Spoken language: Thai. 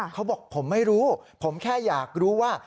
เขาบอกผมไม่รู้ผมแค่อยากรู้ว่า